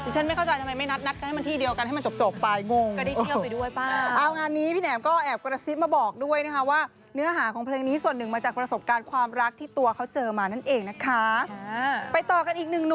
ฉันไม่เข้าใจทำไมไม่นัดก็ให้มันที่เดียวกันให้มันจบไปงง